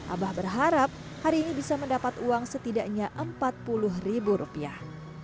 abah berharap hari ini bisa mendapat uang setidaknya empat puluh ribu rupiah